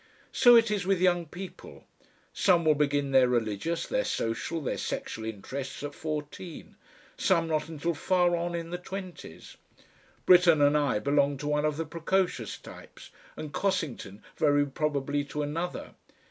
So it is with young people; some will begin their religious, their social, their sexual interests at fourteen, some not until far on in the twenties. Britten and I belonged to one of the precocious types, and Cossington very probably to another.